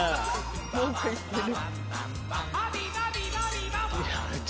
「文句言ってる」